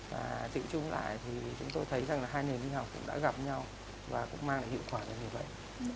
và tự chung lại thì chúng tôi thấy rằng là hai nền y học cũng đã gặp nhau và cũng mang lại hiệu quả như vậy